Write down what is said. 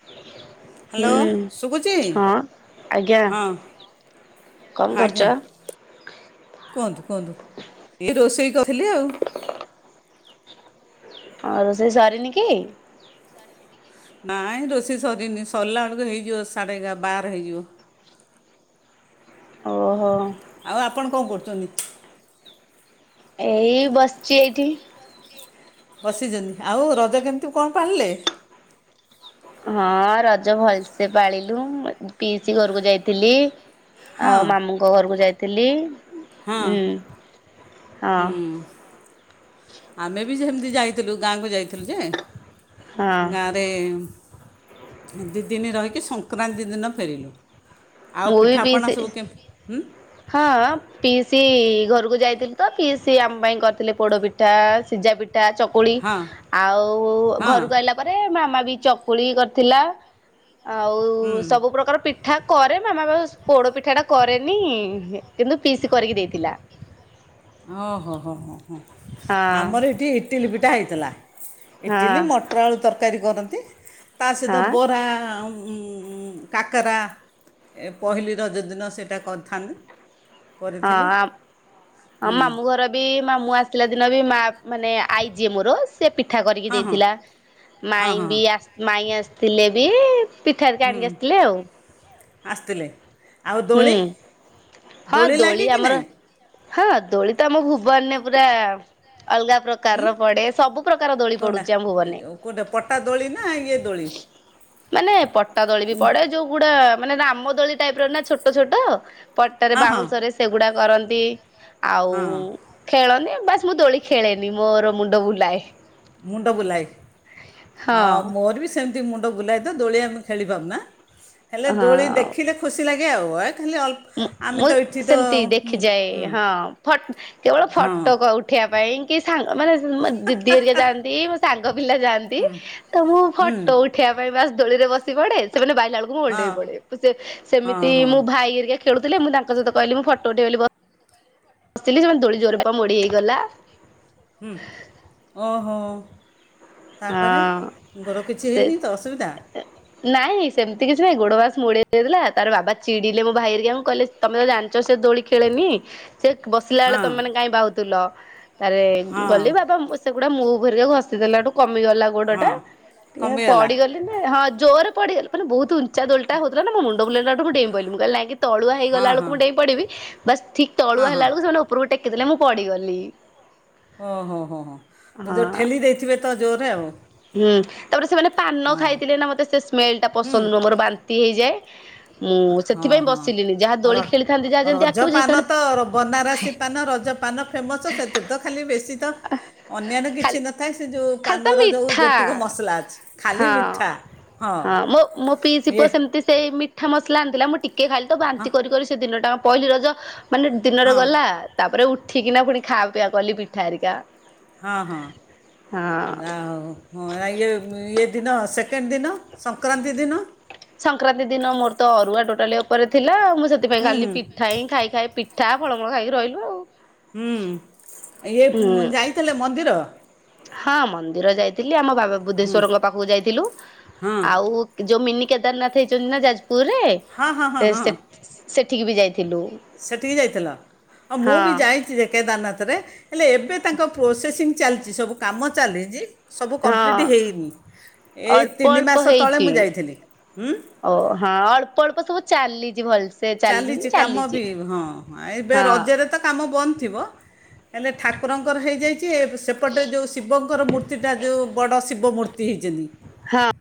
[inaudible] ହୁଁ ହାଲୋ ଶୁବୁଚି ହଁ ଆଜ୍ଞା ହଁ କଣ କରୁଛ? ଆଜ୍ଞା। କୁହନ୍ତୁ କୁହନ୍ତୁ ଏଇ ରୋଷେଇ କରୁଥିଲି ଆଉ। ହଁ ରୋସେଇ ସରିନି କି? ନାଇଁ ରୋଷେଇ ସରିନି ସରିଲା ବେଳକୁ ହେଇଯିବ ସାଢ଼େଏଗା ବାର ହେଇଯିବ। ଓହୋ। ଆଉ ଆପଣ କଣ କରୁଚନ୍ତି? ଏଇ ବସିଚି ଏଇଠି। ବସିଚନ୍ତି ଆଉ ରଜ କେମିତି କଣ ପାଳିଲେ? ହଁ ରଜ ଭଲସେ ପାଳିଲୁ ପିଇସି ଘରକୁ ଯାଇଥିଲି। ହଁ ଆଉ ମାମୁଁଙ୍କ ଘରକୁ ଯାଇଥିଲି। ହଁ ହୁଁ ହଁ ହୁଁ। ଆମେ ବି ସେମିତି ଯାଇଥିଲୁ ଗାଁକୁ ଯାଇଥିଲୁ ଯେ ହଁ ଗାଁ ରେ ଦି ଦିନି ରହିକି ସଂକ୍ରାନ୍ତି ଦିନ ଫେରିଲୁ। ଆଉ ମୁଁ ବି ପିଠାପଣା ପିଇସି ସବୁ କେମିତିଉଁ? ହଁ ପିଇସି ଘରକୁ ଯାଇଥିଲି ତ ପିଇସି ଆମ ପାଇଁ କରିଥିଲେ ପୋଡପିଠା। ପିଠା ସିଝା ପିଠା ଚ ଚକୁଳି ହଁ ଆଉ ହଁ ଘରକୁ ଆଇଲା ପରେ ମାମା ବି ଚକୁଳି କରିଥିଲା। ଆଉ ହୁଁ ସବୁ ପ୍ରକାର ପିଠା କରେ ମାମା ବାସ୍ ପୋଡ ପିଠା ଟା କରେନି। କିନ୍ତୁ ପିଇସି କରିକି ଦେଇଥିଲା। ଓ ହୋ ହୋ ହ ହୋ ହଁ ଆମର ଏଠି ଇଟିଲି ପିଠା ହେଇଥିଲା ହଁ ଇଟିଲି ମ ମଟର ଆଳୁ ତରକାରୀ କରନ୍ତି ତାସହିତ ହଁ ବରା ଉଁ କାକେରା ଏ ପହିଲି ରଜ ଦିନ ସେଟା କରିଥାନ୍ତି। କରିଥିଲେ। ହଁ ହଁ ହୁଁ ମାମୁଁ ଘର ବି ମାମୁଁ ଆସିଲା ଦିନ ବି ମା ମାନେ ଆଇ ଯିଏ ମୋରୋ ସେ ପିଠା କରିକି ହଁ ହଁ ଦେଇଥିଲା ହଁ ମାଇଁ ହଁ ବିଆସ ମାଇଁ ଆସିଥିଲେ ବି। ପିଠା ହାରିକା ହୁଁ ଆଣିକି ଆସିଥିଲେ ଆଉ। ଆସିଥିଲେ ଆଉ ହୁଁ ଦୋଳି ହଁ ଦୋଳି ଲାଗେ କି ଆମର ନାଇଁ? ହଁ ଦୋଳି ତ ଆମ ଭୁବନରେ ପୁରା ଅଲଗା ପ୍ର ହୁଁ ପ୍ରକାରର ପଡେ ସବୁ ପ୍ରକାର ଦୋଳି କୋଉଟା ପଡୁଚି ଆମ ଭୁବନରେ। କୋଉଟା ପଟା ଦୋଳି ନା ଇଏ ଦୋଳି ମାନେ ପଟା ଦୋଳି ବି ପଡେ ଯୋଉଗୁଡା ମାନେ ରାମ ଦୋଳି ଟାଇପ ର ନା ଛୋଟୋ ଛୋଟୋ। ପଟାରେ ହଁ ହଁ ବାଉଁଶରେ ସେଗୁଡ଼ା କରନ୍ତି ଆଉ ହଁ ଖେଳନି ବାସ ମୁଁ ଦୋଳି ଖେଳେନି ମୋର ମୁଣ୍ଡ ବୁଲାଏ। ମୁଣ୍ଡ ବୁଲାଇ। ହଁ ମୋର ବି ସେମି ତି ତ ମୁଣ୍ଡ ବୁଲାଏ ତ ଦୋଳି ଆମେ ଖେଳି ପାରୁନା ହେଲେ ଦୋଳି ହଁ ଦେଖିଲେ ଖୁସି ଲାଗେ ଆଉ। ଖାଲି ଅ ମୁଁ ମୁଁ ସେମିତି ଦେଖିଯାଏ। ହୁଁ ହଁ ଫୋ କେବଳ ହଁ ଫଟୋ ଉଠା ଉଠିବା ପାଇଁ କି ସାଙ୍ଗ ମାନେ ମୋ ଦିଦି ଏରିକ ଯାଆନ୍ତି ମୋ ସାଙ୍ଗ ପିଲା ଯାଆନ୍ତି ତ ମୁଁ ହୁଁ ଫଟୋ ଉ ଠାଇବା ପାଇଁ ବାସ୍ ଦୋଳିରେ ବସି ପଡେ, ସେମାନେ ବାଇଲା ବେଳକୁ ମୁଁ ହଁ ଓଲେଇ ପଡେ। ହଁ ସେମିତି ହଁ ମୁଁ ଭାଇ ହେରୀକା ଖେଳୁଥିଲେ ମୁଁ ତାଙ୍କ ସହିତ କହିଲି ମୁଁ ଫୋଟ ଉଥେଇବି ବସିଥିଲି ସେମାନେ ଦୋଳି ଜୋରରେ ପା ମୋଡି ହେଇଗଲା। ହୁଁ ଓହୋ ତାପରେ ହଁ। ଗର କିଛି ହେଇନି ତ ଅସୁବିଧା। ଏ ନାଇଁ ସେମିତି କିଛି ନାହିଁ, ଗୋଡ଼ ବାସ ମୋଡ଼େଇ ହେଇଥିଲା ତାର ବାବା ଚିଡ଼ିଲେ ମୋ ଭାଇ ହେରିକା ଙ୍କୁ କହିଲେ ତମେ ତ ଜାଣି ଛ ସେ ଦୋଳି ଖେଳେନି। ସେ ବସିଲା ବେଳେ ହଁ ତମେ କାଇହିଁ ବାହୁଥିଲ? ତାରେ ହଁ ଗଲି ବାବା ସେଗୁଡା ମୁଭ ହେରିକା ଘଷି ଦେଲାଠୁ କମିଗଲା। ହଁ ଗୋଡଟା କମିଗଲା ପଡିଗଲେ ହଁ ଜୋରରେ ପଡିଗଲି ବହୁତ ଉଞ୍ଚା ଦୋଳିଟା ହେଉଥିଲା ନା ମୋ ମୁଣ୍ଡ ବୁଲେଇଲାଠୁ ମୁଁ ଡେଇ ପଡ଼ିଲି। ମୁଁ କହିଲି ନାହିଁ କି ତଳୁଆ ହଁ ହେଇଗଲା ବେଳକୁ ହଁ ମୁଁ ଡେଇଁ ପିଡିବି ବସ୍ ଠିକ୍ ହଁ ତଳୁଆ ହଁ ହେଲା ବେଳକୁ ସେ ଉପରକୁ ଟେକିଦଲେ ମୁଁ ପଡିଗଲି। ଓ ହୋ ହୋ ହୋ ଯେଉଁ ହଁ ଠେଲି ଦେଇଥିବେ ତ ଜୋରରେ ଆଉ। ହୁଁ ତାପରେ ସେମାନେ ପାନ ହଁ ଖାଇଥିଲେ ନା ମତେ ସେ ସ୍ମେଲ ଟା ପସନ୍ଦ ହୁଁ ନୁହଁ ମୋର ବାନ୍ତି ହେଇଯାଏ। ମୁଁ ହଁ ସେଥିପାଇଁ ହଁ ବସିଲିନି ଯାହା ର ଦୋଳି ଖେଳିଥାନ୍ତି ଯାହା ଯେମିତି ରଜ ଆଖିବୁ ସେ ପାନ ସେମାନେ ତ ବନାରସୀ ପାନ ରଜ ପାନ ଫେମସ୍ ସେଥିରେ ତ ଖାଲି ବେଶୀ ତ ଅନ୍ୟାନ୍ୟ କିଛି ଖାଲି ନ ଥାଏ ସେ ଯୋଉ ଖାଲି ତ ପାନର ଯୋଉ ମିଠା ଜେତିକ ମସଲା ଅଛି ଖାଲି ହଁ। ମିଠା ହଁ। ଥିବ ଇଏ ସେମିତି ସେଇ ମି ଠା ମସଲା ଆଣିଦେଲା। ମୁଁ ଟିକିଏ ଖାଲି ତ ହଁ ବାନ୍ତି କରିିକରି ସେ ଦିନଟା ପହିଲି ରଜ ମାନେ ଦିନରେ ହଁ ଗଲା। ତାପରେ ଉଠିକିନା ପୁଣି ଖାଉ ପିବା କଲି ପିଠା ଆରିକା। ହଁ ହଁ ଯା ହଉ। ହଁ ଇଏ ଇଏ ଦିନ ସେକେଣ୍ଡ ଦିନ ସଂକ୍ରାନ୍ତି ଦିନ। ସଂକ୍ରାନ୍ତି ଦିନ ମୋର ତ ଅରୁଆ ଟୋଟାଲି ଉପରେ ଥିଲା ମୁଁ ସେଥିପାଇଁ ହୁଁ ଖାଲି ହୁଁ ପିଠା ହିଁ ଖାଇ ଖାଇ ପିଠା ଠା ଫଳମୂଳ ଖାଇକି ରହିଲୁ ଆଉ। ହୁଁ ଇଏ ହୁଁ। ଯାଇଥିଲେ ମନ୍ଦିର। ହଁ ମନ୍ଦିର ଯାଇଥିଲି ଆମ ବାବା ବୁଦ୍ଧେଶ୍ଵରଙ୍କ ପାଖକୁ ଯାଇଥିଲୁ ହଁ ଆଉ ଯେଉଁ ମିନି କେଦାରନାଥ ହେଇଛନ୍ତି ନା ଯାଜପୁରରେ ହଁ ହଁ ହଁ ସେ ହଁ ସେ ସେଠିକି ବି ଯାଇଥିଲୁ। ସେଠିକି ଯାଇଥିଲ ଆଉ ମୁଁ ହଁ ବି ଯାଇଛି ଯେ କେଦାରନାଥରେ। ହେଲେ ଏବେ ତାଙ୍କ ପ୍ରୋସେସିଂ ଚାଲିଛି ସବୁ କାମ ଚାଲିଛି। ସବୁ ହଁ କମ୍ପ୍ଲିଟ୍ ହେଇନି। ଏଇ ଅଳ୍ପ ତିନି ଅଳ୍ପ ମାସ ତଳେ ହେଇଛି ମୁଁ ଯାଇଥିଲି। ଓ ହଁ ଅଳ୍ପ ଅଳ୍ପ ସବୁ ଚାଲିଛି ଭଲ ସେ। ଚାଲିଛି କାମ ବି ହଁ ହଁ ଏବେ ରଜରେ ତ କାମ ବନ୍ଦ ଥିବ। ହେଲେ ଠାକୁରଙ୍କର ହେଇଯାଇଛି ସେପଟରେ ଯେଉଁ ଶିବଙ୍କର ମୂର୍ତ୍ତିଟା ଯେଉଁ ବଡ଼ ଶିବ ମୂ ର୍ତ୍ତି ହେଇଛନ୍ତି। ହଁ